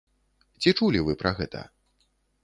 Ці чулі вы пра гэта?